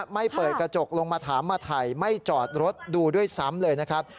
ไม่เปิดกระจกลงมาถามมาถ่ายไม่จอดรถดูด้วยซ้ำเลยนะครับ